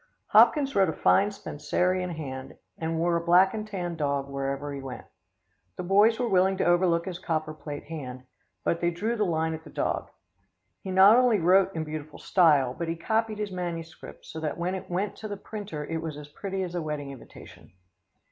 Hopkins wrote a fine Spencerian hand and wore a black and tan dog where ever he went. The boys were willing to overlook his copper plate hand, but they drew the line at the dog. He not only wrote in beautiful style, but he copied his manuscript, so that when it went in to the printer it was as pretty as a wedding invitation.